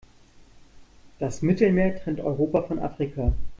Das Mittelmeer trennt Europa von Afrika.